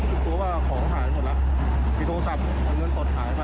หลักถูกว่าของหายหมดแล้วหลักที่โทรศัพท์